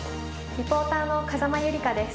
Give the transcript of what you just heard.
リポーターの風間友里加です。